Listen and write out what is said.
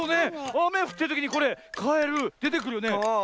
あめふってるときにこれカエルでてくるよね。